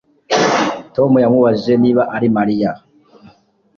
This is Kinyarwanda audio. Tom yamubajije niba ari Mariya